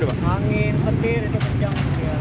angin petir itu kencang